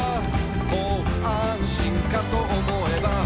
「もう安心かと思えば」